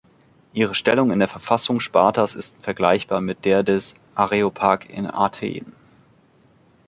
Ihre Stellung in der Verfassung Spartas ist vergleichbar mit der des Areopag in Athen.